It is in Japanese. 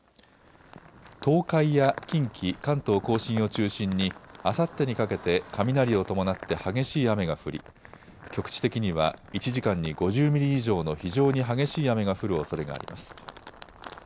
東海や近畿、関東甲信を中心にあさってにかけて雷を伴って激しい雨が降り局地的には１時間に５０ミリ以上の非常に激しい雨が降るおそれがあります。